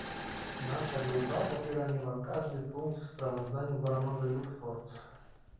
Nasza grupa popiera niemal każdy punkt w sprawozdaniu baronowej Ludford